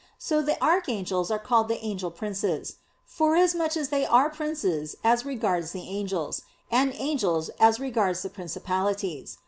So the "Archangels" are called the "angel princes"; forasmuch as they are princes as regards the "Angels," and angels as regards the Principalities.